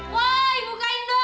woy buka hindung